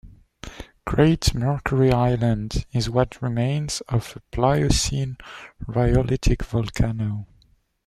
Great Mercury Island is what remains of a Pliocene rhyolitic volcano.